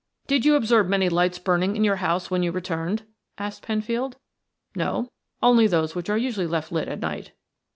"Did you observe many lights burning in your house when you returned?" asked Penfield. "No, only those which are usually left lit at night."